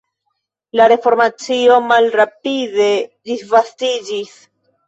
La reformacio malrapide disvastiĝis.